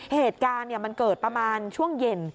เหตุการณ์มันเกิดประมาณช่วงเย็น